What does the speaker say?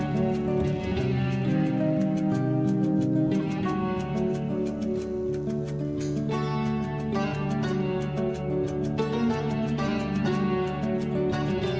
versi kedua penapi harapan